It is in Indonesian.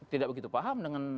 tidak begitu paham dengan